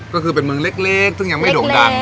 ก็คือเป็นเมืองเล็กซึ่งยังไม่โด่งดัง